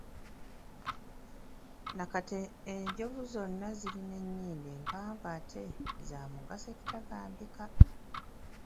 Nakati enjovu zonna zirina ennyindo empanvu ate nga z'amugaso ekitagambika!